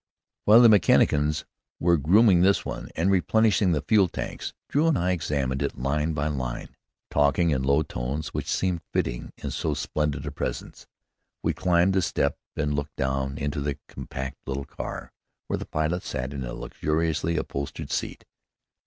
While the mechanicians were grooming this one, and replenishing the fuel tanks, Drew and I examined it line by line, talking in low tones which seemed fitting in so splendid a presence. We climbed the step and looked down into the compact little car, where the pilot sat in a luxuriously upholstered seat.